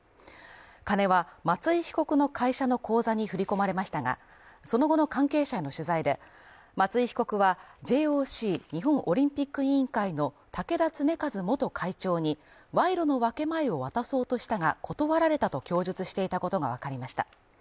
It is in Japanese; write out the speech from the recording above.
金は松井被告の会社の口座に振り込まれましたが、その後の関係者への取材で松井被告はＪＯＣ＝日本オリンピック委員会の竹田恒和元会長に賄賂の分け前を渡そうとしたが、断られたと供述していたことがわかりました。